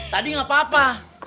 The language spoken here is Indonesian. tadi enggak apa apa